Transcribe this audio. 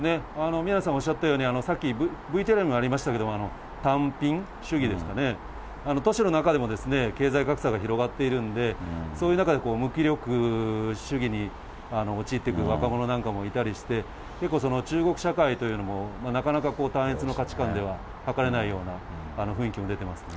宮根さんおっしゃったように、さっきＶＴＲにもありましたけど、タンピン主義ですかね、都市の中でも経済格差が広がっているんで、そういう中で無気力主義に陥っていく若者なんかもいたりして、結構中国社会というのも、なかなか大変その価値観でははかれないような雰囲気が出てますね。